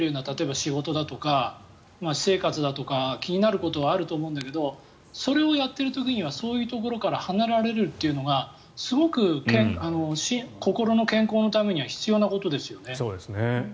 例えば、仕事だとか私生活だとか、気になることはあると思うんだけどそれをやっている時にはそういうところから離れられるというのがすごく心の健康のためには必要なことですよね。